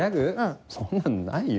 そんなのないよ。